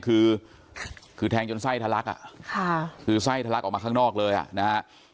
คือคือแทงจนไส้ทะลักอ่ะค่ะคือไส้ทะลักออกมาข้างนอกเลยอ่ะนะฮะ